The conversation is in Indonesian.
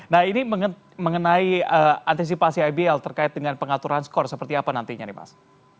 nah ini mengenai antisipasi ibl terkait dengan pengaturan skor seperti apa nantinya nih mas